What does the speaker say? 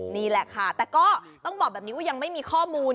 นี่แหละค่ะแต่ก็ต้องบอกแบบนี้ว่ายังไม่มีข้อมูล